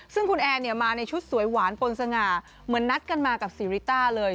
ซึ่งคุณแอร์มาในชุดสวยหวานปนสง่าเหมือนนัดกันมากับซีริต้าเลย